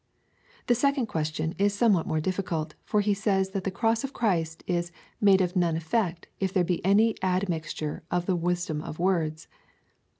The second question is somewhat more difficult, for he says, that the cross of Christ is made of none efi'ect if there be any admixture of the wisdom of words.